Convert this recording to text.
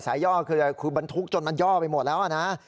สายย่อคือบันทุกจนมันย่อไปหมดแล้วนะฮะนะฮะ